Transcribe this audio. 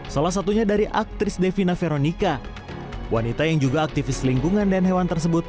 salah satunya dari aktris devina veronica wanita yang juga aktivis lingkungan dan hewan tersebut